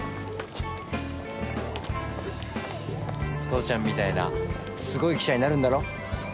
父ちゃんみたいなすごい記者になるんだろ？